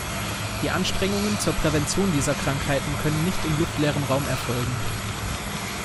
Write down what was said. Die Anstrengungen zur Prävention dieser Krankheiten können nicht im luftleeren Raum erfolgen.